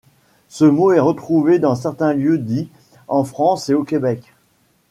Ce mot est retrouvé dans certains lieux-dits en France et au Québec.